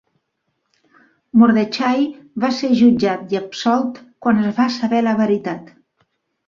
Mordechai va ser jutjat i absolt quan es va saber la veritat.